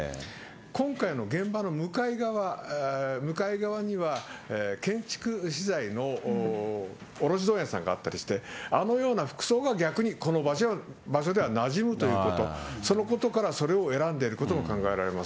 今回の現場の向かい側、向かい側には、建築資材の卸問屋さんがあったりして、あのような服装が逆にこの場所ではなじむということ、そのことから、それを選んでいるということも考えられます。